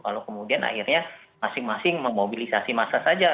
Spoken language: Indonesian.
lalu kemudian akhirnya masing masing memobilisasi massa saja